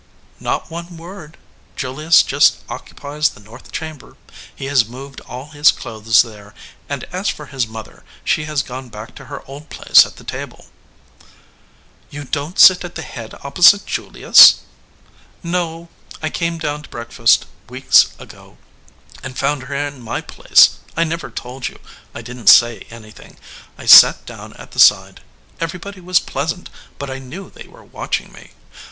"Not one word. Julius just occupies the north chamber. He has moved all his clothes there, and as for his mother, she has gone back to her old place at the table." "You don t sit at the head opposite Julius?" 200 SOUR SWEETINGS "No. I came down to breakfast weeks ago and found her in my place. I never told you. I didn t say anything. I sat down at the side. Everybody was pleasant, but I knew they were watching me.